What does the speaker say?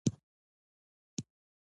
مېلې د خلکو د خوشحالۍ سرچینه ده.